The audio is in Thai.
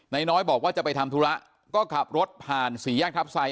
นายน้อยบอกว่าจะไปทำธุระก็ขับรถผ่านศรียากทัพไซต์